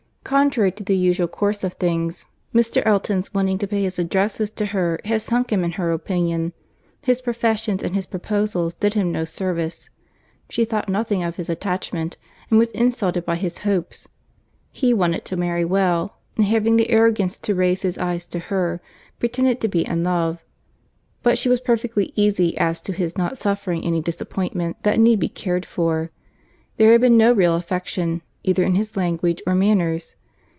Contrary to the usual course of things, Mr. Elton's wanting to pay his addresses to her had sunk him in her opinion. His professions and his proposals did him no service. She thought nothing of his attachment, and was insulted by his hopes. He wanted to marry well, and having the arrogance to raise his eyes to her, pretended to be in love; but she was perfectly easy as to his not suffering any disappointment that need be cared for. There had been no real affection either in his language or manners.